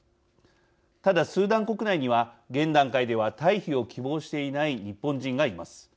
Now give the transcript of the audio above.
ただスーダン国内には現段階では退避を希望していない日本人がいます。